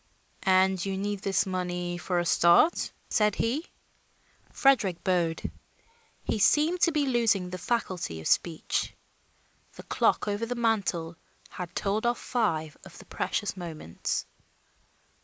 "And you need this money for a start?" said he. Frederick bowed; he seemed to be losing the faculty of speech. The clock over the mantel had told off five of the precious moments.